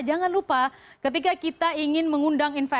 jangan lupa ketika kita ingin mengundang investor